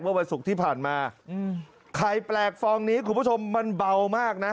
วันศุกร์ที่ผ่านมาไข่แปลกฟองนี้คุณผู้ชมมันเบามากนะ